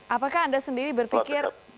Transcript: apakah anda sendiri berpikir